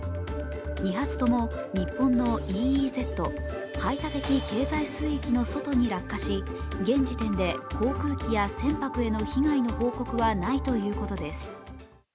２発とも日本のＥＥＺ＝排他的経済水域の外に落下し現時点で航空機や船舶への被害の報告はないということです。